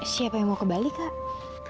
siapa yang mau ke bali kak